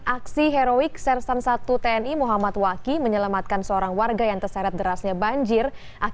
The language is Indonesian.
aksi heroik sersan satu tni muhammad waki menyelamatkan seorang warga yang terseret derasnya banjir